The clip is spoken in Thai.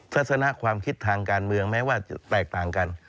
ศาสนาความคิดทางการเมืองแม้ว่าจะแตกต่างกัน